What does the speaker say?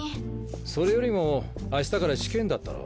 それよりも明日から試験だったろ？